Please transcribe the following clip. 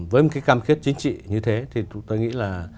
với cái cam khiết chính trị như thế thì tôi nghĩ là